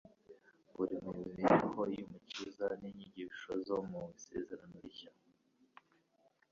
buri mu mibereho y'Umukiza n'inyigisho zo mu Isezerano Rishya.